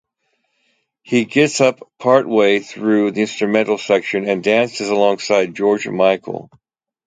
He gets up partway through the instrumental section and dances alongside George Michael.